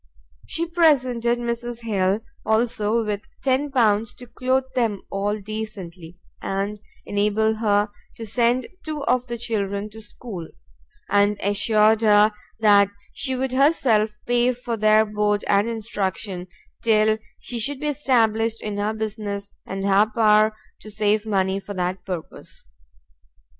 She presented Mrs Hill, also, with 10 pounds to clothe them all decently, and enable her to send two of the children to school; and assured her that she would herself pay for their board and instruction, till she should be established in her business, and have power to save money for that purpose.